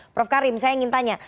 prof karim saya ingin tanya